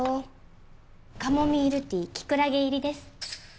カモミールティーキクラゲ入りです。